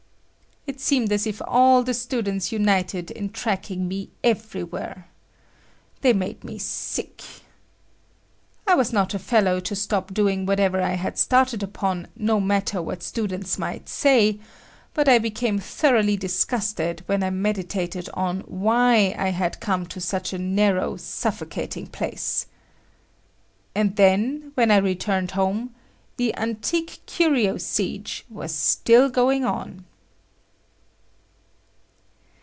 It seemed as if all the students united in tracking me everywhere. They made me sick. I was not a fellow to stop doing whatever I had started upon no matter what students might say, but I became thoroughly disgusted when I meditated on why I had come to such a narrow, suffocating place. And, then, when I returned home, the "antique curio siege" was still going on.